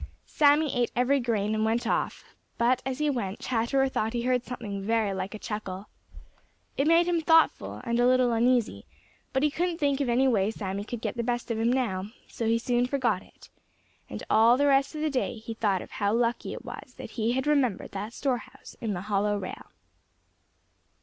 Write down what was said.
Sammy ate every grain and then went off, but as he went, Chatterer thought he heard something very like a chuckle. It made him thoughtful and a little uneasy, but he couldn't think of any way Sammy could get the best of him now, so he soon forgot it, and all the rest of the day he thought of how lucky it was that he had remembered that store house in the hollow rail.